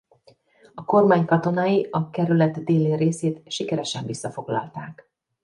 A kormány katonái a kerület déli részét sikeresen visszafoglalták.